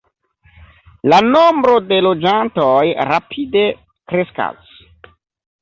La nombro de loĝantoj rapide kreskas.